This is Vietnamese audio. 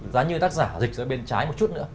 giá như tác giả dịch rơi bên trái một chút nữa